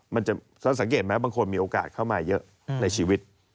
มันจะสังเกตไหมบางคนมีโอกาสเข้ามาเยอะในชีวิต